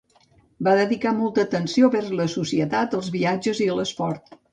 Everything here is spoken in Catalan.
Va dedicar molta atenció vers la societat, els viatges i l'esport.